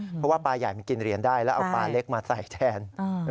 เพราะว่าปลาใหญ่มันกินเหรียญได้แล้วเอาปลาเล็กมาใส่แทน